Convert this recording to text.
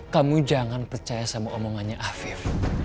kamu jangan percaya sama omongannya afif